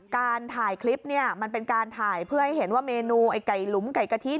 การถ่ายคลิปเนี่ยมันเป็นการถ่ายเพื่อให้เห็นว่าเมนูไอ้ไก่หลุมไก่กะทิ